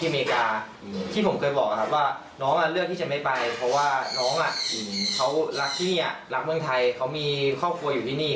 มีครอบครัวอยู่ที่นี่